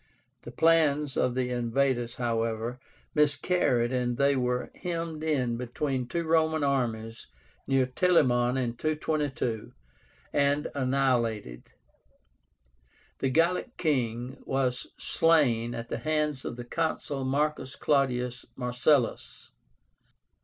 The plans of the invaders, however, miscarried, and they were hemmed in between two Roman armies near TELAMON in 222, and annihilated. The Gallic king was slain at the hands of the Consul MARCUS CLAUDIUS MARCELLUS.